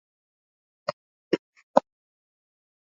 Kundi la kutetea haki za binadamu na afisa mmoja wa eneo hilo